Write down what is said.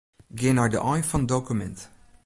Gean nei de ein fan dokumint.